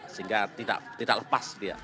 sehingga tidak lepas dia